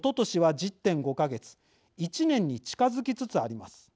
１年に近づきつつあります。